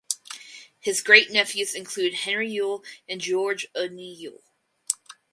His great nephews included Henry Yule and George Udny Yule.